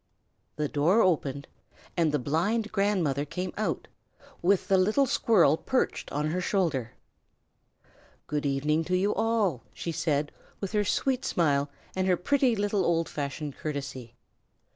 The door opened, and the blind grandmother came out, with the little squirrel perched on her shoulder. "Good evening to you all!" she said, with her sweet smile and her pretty little old fashioned courtesy.